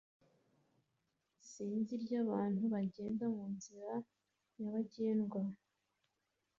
Isinzi ryabantu bagenda munzira nyabagendwa